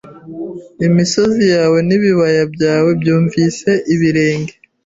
Imisozi yawe nibibaya byawe byunvise ibirenge